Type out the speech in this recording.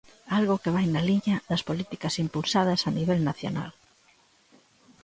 Algo que vai na liña das políticas impulsadas a nivel nacional.